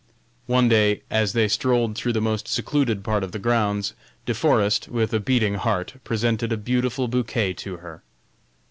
One day, as they strolled through the most secluded part of the grounds, De Forest, with a beating heart, presented a beautiful bouquet to her.